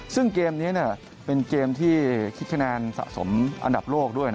ซึ่งเกมนี้เป็นเกมที่คิดคะแนนสะสมอันดับโลกด้วย